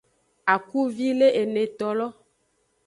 Akuvi le enetolo.